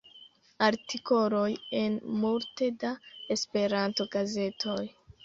Artikoloj en multe da Esperanto-gazetoj.